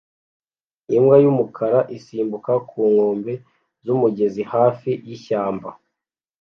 Imbwa y'umukara isimbuka ku nkombe z'umugezi hafi y’ishyamba